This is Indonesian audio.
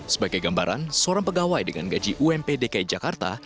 sebagai gambaran seorang pegawai dengan gaji ump dki jakarta